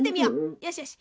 よしよし。